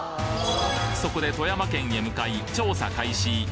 そこで富山県へ向かい調査開始！